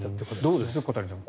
どうです、小谷さん